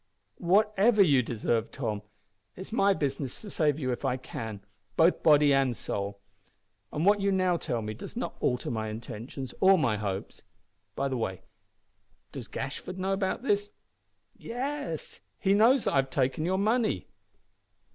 "Whatever you deserve, Tom, it is my business to save you, if I can both body and soul; and what you now tell me does not alter my intentions or my hopes. By the way, does Gashford know about this?" "Yes, he knows that I have taken your money."